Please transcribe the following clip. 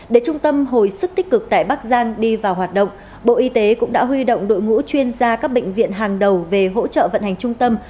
để trung tâm hồi sức tích cực tại bắc giang đi vào hoạt động bộ y tế cũng đã huy động đội ngũ chuyên gia các bệnh viện hàng đầu về hỗ trợ vận hành trung tâm